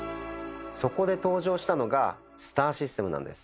そこで登場したのが「スターシステム」なんです。